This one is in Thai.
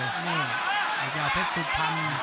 เนี่ยไอ้เจ้าเพชรสุดพันธ์